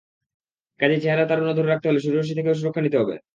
কাজেই চেহারায় তারুণ্য ধরে রাখতে হলে সূর্যরশ্মি থেকেও সুরক্ষা নিতে হবে।